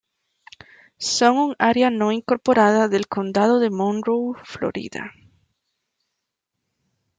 Son un área no incorporada del Condado de Monroe, Florida.